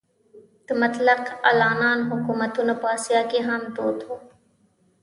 د مطلق العنان حکومتونه په اسیا کې هم دود وو.